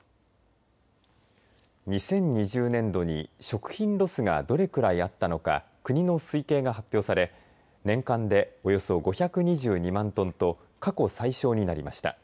２０２０年度に食品ロスがどれくらいあったのか国の推計が発表され年間でおよそ５２２万トンと過去最少になりました。